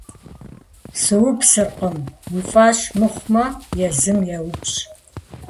- Супсыркъым. Уи фӏэщ мыхъумэ, езым еупщӏ.